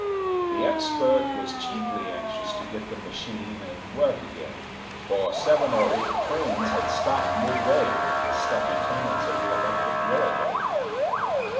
The expert was chiefly anxious to get the machine at work again, for seven or eight trains had stopped midway in the stuffy tunnels of the electric railway.